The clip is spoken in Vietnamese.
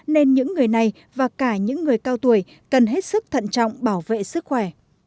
nên những người này và cả những người cao tuổi cần hết sức thận trọng bảo vệ sức khỏe